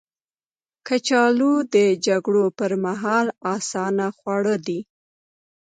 کچالو د جګړو پر مهال اسانه خواړه دي